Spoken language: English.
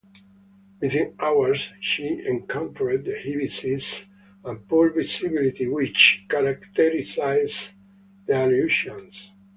Within hours, she encountered the heavy seas and poor visibility which characterized the Aleutians.